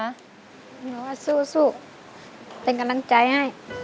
หมายความว่าสู้เป็นกำลังใจให้